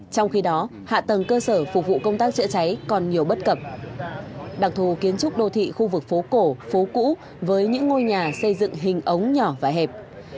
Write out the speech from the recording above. trong khi đó hạ tầng cơ sở phục vụ công tác chữa cháy còn nhiều bất cập đặc thù kiến trúc đô thị khu vực phố cổ phố cũ với những ngôi nhà xây dựng hình ống nhỏ và hẹp